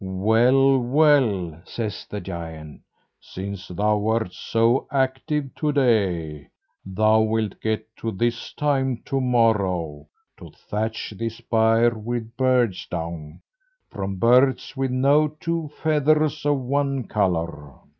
"Well, well!" says the giant, "since thou wert so active to day, thou wilt get to this time to morrow to thatch this byre with birds' down, from birds with no two feathers of one colour."